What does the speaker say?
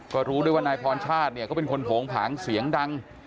ก็รู้ด้วยว่านายพรชาติเนี่ยก็เป็นคนโผงผางเสียงดัง